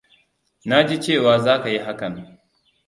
Naaji cewa zaka yi hakan.